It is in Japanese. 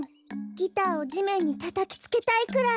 ギターをじめんにたたきつけたいくらい。